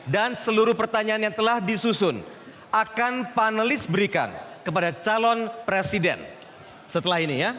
dan seluruh pertanyaan yang telah disusun akan panelis berikan kepada calon presiden setelah ini ya